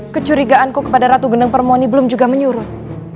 kecurigaanku kepada ratu gendeng permoni belum juga menyurut